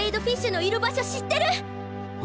フィッシュのいる場所知ってる！